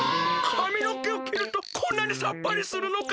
かみのけをきるとこんなにサッパリするのか！